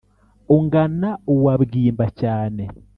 ungana uwa bwimba cyane